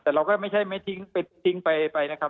แต่เราก็ไม่ใช่ไม่ทิ้งไปนะครับ